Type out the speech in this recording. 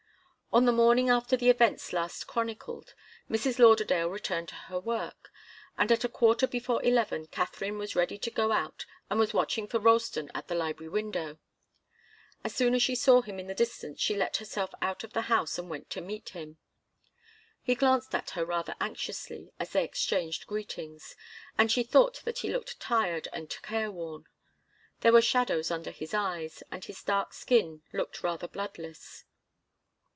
On the morning after the events last chronicled, Mrs. Lauderdale returned to her work, and at a quarter before eleven Katharine was ready to go out and was watching for Ralston at the library window. As soon as she saw him in the distance she let herself out of the house and went to meet him. He glanced at her rather anxiously as they exchanged greetings, and she thought that he looked tired and careworn. There were shadows under his eyes, and his dark skin looked rather bloodless.